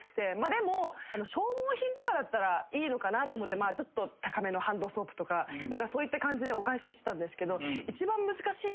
でも消耗品とかだったらいいのかなと思ってちょっと高めのハンドソープとかそういった感じでお返ししてたんですけど。